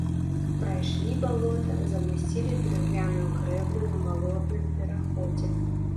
Прайшлі балота, замасцілі дрыгвяную грэблю на балотным пераходзе.